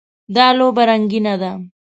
دا لوبه رنګینه ده.